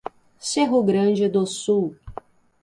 Cerro Grande do Sul